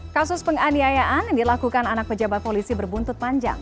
kasus penganiayaan yang dilakukan anak pejabat polisi berbuntut panjang